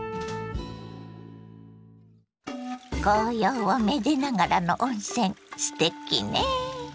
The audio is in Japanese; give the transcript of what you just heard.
紅葉をめでながらの温泉すてきね。